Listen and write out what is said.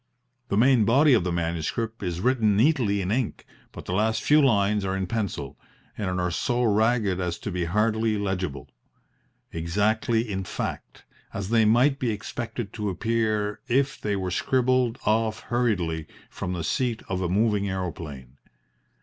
The main body of the manuscript is written neatly in ink, but the last few lines are in pencil and are so ragged as to be hardly legible exactly, in fact, as they might be expected to appear if they were scribbled off hurriedly from the seat of a moving aeroplane.